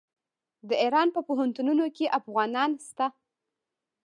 د ایران په پوهنتونونو کې افغانان شته.